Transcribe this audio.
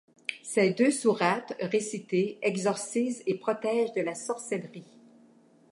Ces deux sourates, récitées, exorcisent et protègent de la sorcellerie.